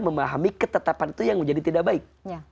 memahami ketetapan itu yang menjadi tidak baik